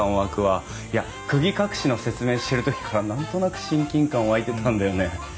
いや釘隠しの説明してる時から何となく親近感湧いてたんだよね。